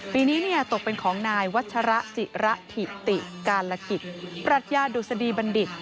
ปีนี้ตกเป็นของนายวัชระจิระถิติกาลกิจปรัชญาดุษฎีบัณฑิต